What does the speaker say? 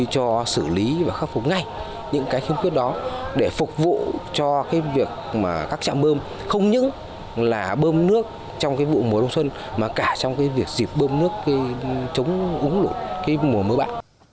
chúng tôi cho xử lý và khắc phục ngay những cái kiếm quyết đó để phục vụ cho cái việc mà các trạm bơm không những là bơm nước trong cái vụ mùa đông xuân mà cả trong cái việc dịp bơm nước chống ủng lộn cái mùa mưa bạn